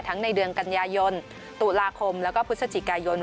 ในเดือนกันยายนตุลาคมแล้วก็พฤศจิกายน